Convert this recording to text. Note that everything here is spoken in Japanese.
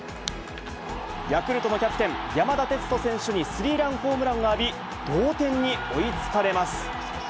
ヤクルトのキャプテン、山田哲人選手にスリーランホームランを浴び、同点に追いつかれます。